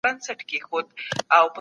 فساد کوونکي بايد اصلاح سي.